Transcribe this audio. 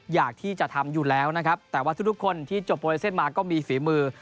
อยากที่จะทำอยู่แล้วนะครับแต่ว่าทุกคนที่จบโปรไลเซ็นต์มาก็มีฝีมือ